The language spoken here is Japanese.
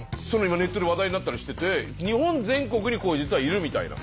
今ネットで話題になったりしてて日本全国に実はいるみたいな。